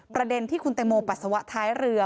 ประเด็นที่คุณแตงโมปัสสาวะท้ายเรือ